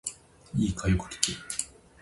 いいか、よく聞け。